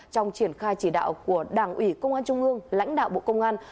trong triển khai chỉ đạo của đảng ủy công an trung ương lãnh đạo bộ công an